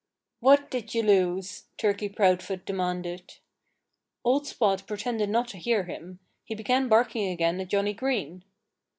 "What did you lose?" Turkey Proudfoot demanded. Old Spot pretended not to hear him. He began barking again at Johnnie Green.